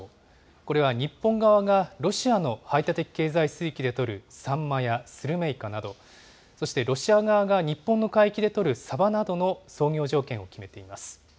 これは日本側がロシアの排他的経済水域で取るサンマやスルメイカなど、そしてロシア側が日本の海域で取るサバなどの操業条件を決めています。